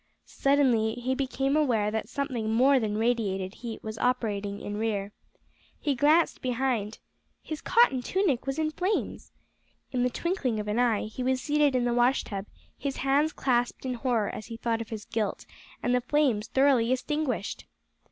Suddenly he became aware that something more than radiated heat was operating in rear. He glanced behind. His cotton tunic was in flames! In the twinkling of an eye he was seated in the wash tub, his hands clasped in horror as he thought of his guilt, and the flames thoroughly extinguished!